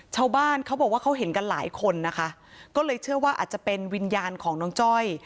ชาวบ้านเขาบอกว่าเขาเห็นกันหลายคนนะคะก็เลยเชื่อว่าอาจจะเป็นวิญญาณของน้องจ้อย